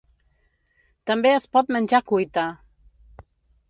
També es pot menjar cuita.